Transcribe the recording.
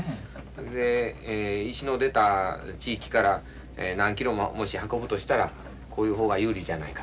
石の出た地域から何キロももし運ぶとしたらこういう方が有利じゃないかと。